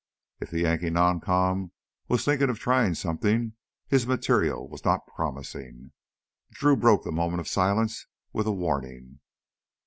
If the Yankee noncom was thinking of trying something, his material was not promising. Drew broke the moment of silence with a warning.